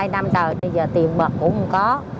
hai năm rồi giờ tiền bật cũng có